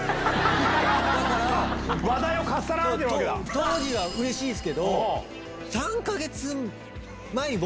当時はうれしいですけど。